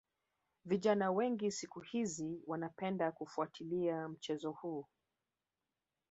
Vijana wengi siku hizi wanapenda kufuatilia mchezo huu